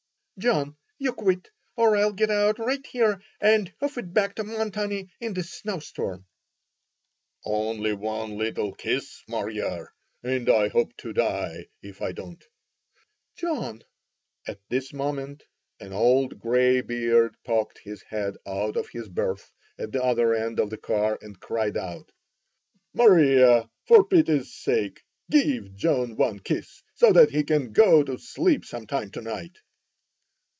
"John, you quit, or I'll git out right here and hoof it back to Montanny in the snowstorm." "Only one little kiss, Mariar, and I hope to die if I don't——" "John——" At this moment an old gray beard poked his head out of his berth, at the other end of the car, and cried out: "Maria, for pity's sake, give John one kiss, so that we can go to sleep some time to night."